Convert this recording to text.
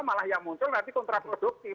malah yang muncul nanti kontraproduktif